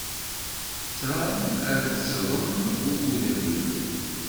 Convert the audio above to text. Tram ad teẓṛem wukud lliɣ?